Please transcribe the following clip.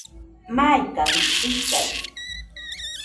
Maikajɨ tuisai